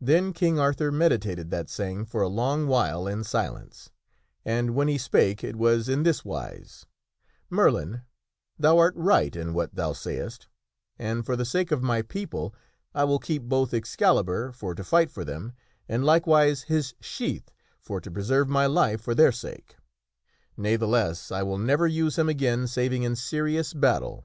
Then King Arthur meditated that saying for a long while in silence ; and when he spake it was in this wise :" Merlin, thou art right in what thou sayest, and, for the sake of my people, I will keep both Excalibur for to fight for them, and likewise his sheath for to preserve my life for their sake. Ne'theless, I will never use him again saving in serious battle."